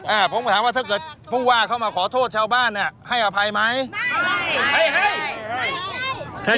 อ่าผมถามว่าถ้าเกิดผู้ว่าเขามาขอโทษชาวบ้านน่ะ